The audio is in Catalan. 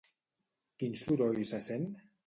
Quin soroll se sent?